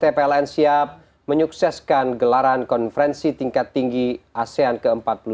pln siap menyukseskan gelaran konferensi tingkat tinggi asean ke empat puluh dua